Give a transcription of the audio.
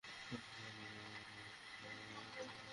তাঁর মনোনয়ন মেনে নিয়ে অন্যরা একসঙ্গে কাজ করার প্রত্যয় ব্যক্ত করেন।